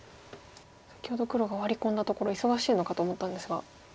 先ほど黒がワリ込んだところ忙しいのかと思ったんですが。